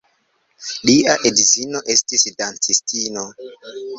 Lia edzino estis dancistino.